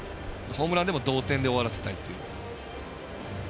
ホームランでも同点で終わらせたいという。